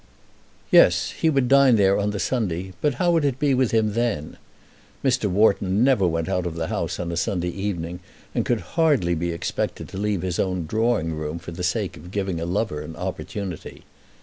Yes; he would dine there on the Sunday, but how would it be with him then? Mr. Wharton never went out of the house on a Sunday evening, and could hardly be expected to leave his own drawing room for the sake of giving a lover an opportunity.